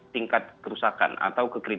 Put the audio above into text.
tingkat kerusakan atau